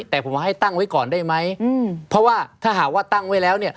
แต่ผมว่าให้ตั้งไว้ก่อนได้ไหมเพราะว่าถ้าหากว่าตั้งไว้แล้วเนี่ย